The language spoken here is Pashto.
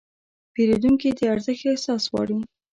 پیرودونکي د ارزښت احساس غواړي.